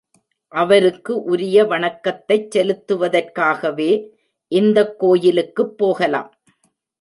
அவருக்கு உரிய வணக்கத்தைச் செலுத்துவதற்காகவே இந்தக் கோயிலுக்குப் போகலாம்.